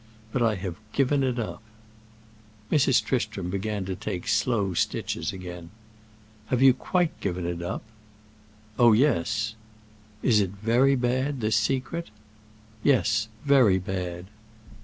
But I have given it up." Mrs. Tristram began to take slow stitches again. "Have you quite given it up?" "Oh yes." "Is it very bad, this secret?" "Yes, very bad."